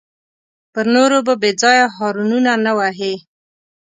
پر نورو به بېځایه هارنونه نه وهې.